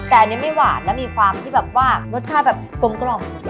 แต่อันนี้ไม่หวานนะมีความที่แบบว่ารสชาติแบบกลม